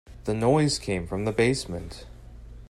The noise came from the basement.